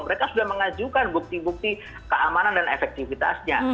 mereka sudah mengajukan bukti bukti keamanan dan efektivitasnya